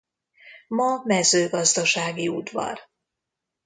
Ma mezőgazdasági udvar.